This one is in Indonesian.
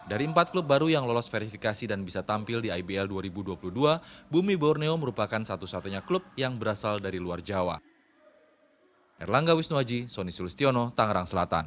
dari empat klub baru yang lolos verifikasi dan bisa tampil di ibl dua ribu dua puluh dua bumi borneo merupakan satu satunya klub yang berasal dari luar jawa